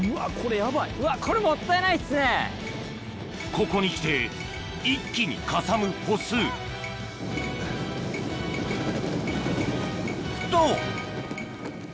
ここにきて一気にかさむ歩数と！